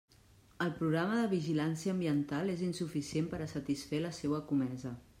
El programa de vigilància ambiental és insuficient per a satisfer la seua comesa.